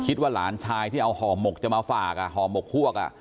คิดว่าหลานชายที่เอาห่อหมกจะมาฝากห่อหมกพวก